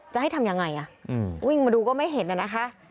จะให้ทำยังไงวิ่งมาดูก็ไม่เห็นน่ะนะคะ